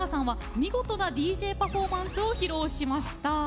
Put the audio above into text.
見事なＤＪパフォーマンスを披露しました。